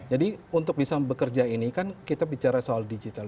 jadi untuk bisa bekerja ini kan kita bicara soal digital